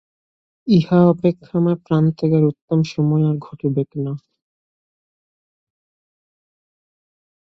ইহা অপেক্ষা আমার প্রাণত্যাগের উত্তম সময় আর ঘটিবেক না।